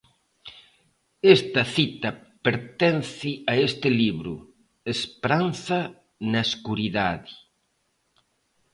Esta cita pertence a este libro: Esperanza na escuridade.